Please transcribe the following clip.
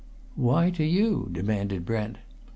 "Why to you?" demanded Brent.